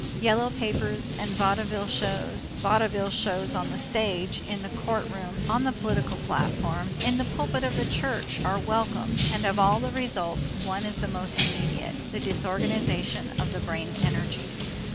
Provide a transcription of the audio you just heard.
Yellow papers and vaudeville shows vaudeville shows on the stage, in the courtroom, on the political platform, in the pulpit of the church are welcome, and of all the results, one is the most immediate, the disorganization of the brain energies.